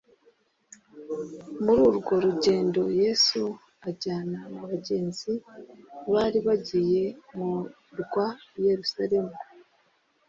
Muri urwo rugendo Yesu ajyana n'abagenzi bari bagiye murwa i Yerusalemu.